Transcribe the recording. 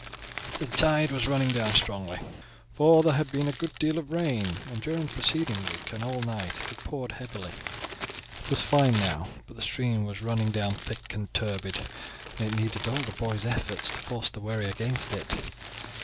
The tide was running down strongly, for there had been a good deal of rain during the preceding week, and all night it had poured heavily. It was fine now, but the stream was running down thick and turbid, and it needed all the boys' efforts to force the wherry against it.